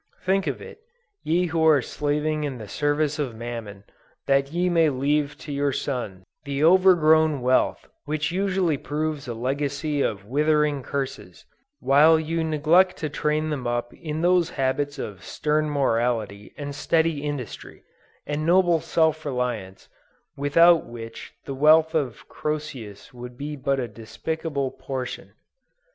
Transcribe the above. Think of it, ye who are slaving in the service of Mammon, that ye may leave to your sons, the overgrown wealth which usually proves a legacy of withering curses, while you neglect to train them up in those habits of stern morality and steady industry, and noble self reliance, without which the wealth of Croesus would be but a despicable portion!